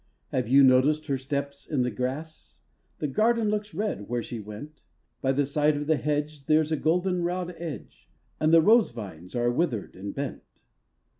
Have you noticed her steps in the grass? The garden looks red where she went; By the side of the hedge There's a golden rod edge, And the rose vines are withered and bent.